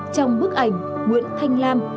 trong bức ảnh nguyễn thanh lam